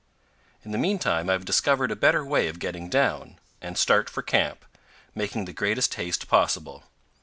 In the meantime I have discovered a better way of getting down, and start for camp, making the greatest haste possible.